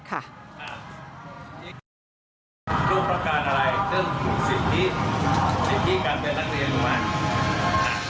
แล้วก็เพื่อนไทยแต่ลูกไทย